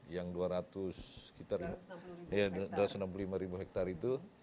yang dua ratus enam puluh lima hektare itu